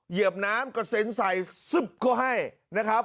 เยียบน้ำก็เซ็นไปส์ใสเสียหนักหนักโทรให้